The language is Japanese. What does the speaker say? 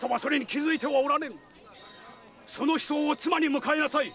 その人を妻に迎えなさい！